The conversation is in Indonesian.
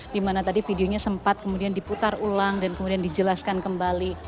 dimana tadi videonya sempat kemudian diputar ulang dan kemudian dijelaskan kembali